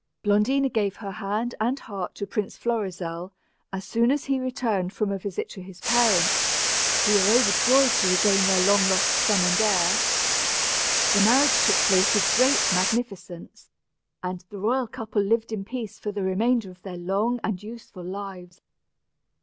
Blondina gave her hand and heart to Prince Florizel, as soon as he returned from a visit to his parents, who were overjoyed to regain their long lost son and heir. The marriage took place with great magnificence, and the royal couple lived in peace for the remainder of their long and useful lives.